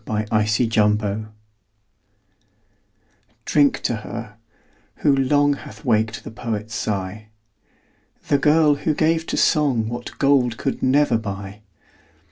DRINK TO HER. Drink to her, who long, Hath waked the poet's sigh. The girl, who gave to song What gold could never buy.